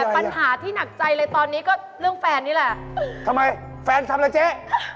ปัญหาเรื่องอะไรเจ๊